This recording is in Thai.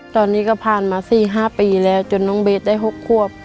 ตอนนี้ก็ผ่านมา๔๕ปีแล้วจนน้องเบสได้๖ควบ